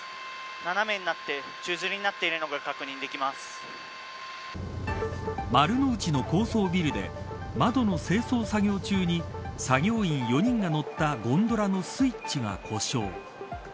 斜めになって宙づりになっている丸の内の高層ビルで窓の清掃作業中に作業員４人が乗ったゴンドラのスイッチが故障。